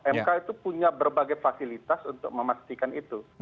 mk itu punya berbagai fasilitas untuk memastikan itu